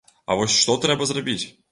А вось што трэба зрабіць?